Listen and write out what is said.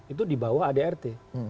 itu di bawah adart